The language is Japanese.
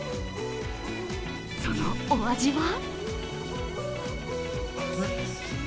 そのお味は？